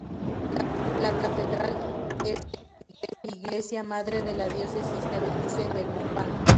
La catedral es el iglesia madre de la Diócesis de Belice-Belmopán.